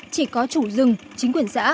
chỉ có chủ rừng chính quyền xã